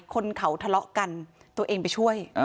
คนเขาทะเลาะกันตัวเองไปช่วย